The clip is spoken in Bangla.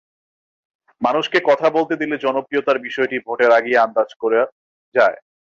মানুষকে কথা বলতে দিলে জনপ্রিয়তার বিষয়টি ভোটের আগেই আন্দাজ করা যায়।